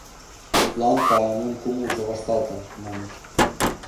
Йӱдлан Каанун кумылжо вашталтын, маныт.